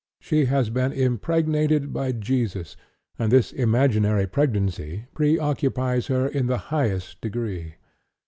She has been impregnated by Jesus, and this imaginary pregnancy pre occupies her in the highest degree.